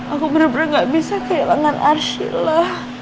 aku bener bener nggak bisa kehilangan arsila